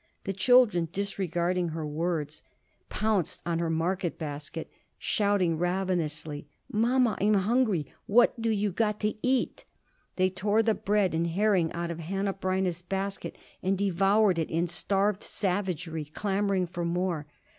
The children, disregarding her words, pounced on her market basket, shouting ravenously: "Mama, I'm hungry! What more do you got to eat?" They tore the bread and herring out of Hanneh Breineh's basket and devoured it in starved savagery, clamoring for more.